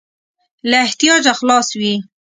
له احتیاجه خلاص وي.